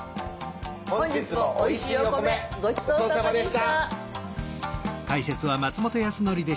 本日もおいしいお米ごちそうさまでした。